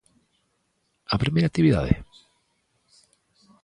A primeira actividade?